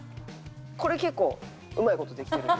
これ結構うまい事できてる。